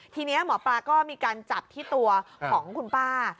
ทีนี้หมอปลาก็มีการจับที่ตัวของคุณป้า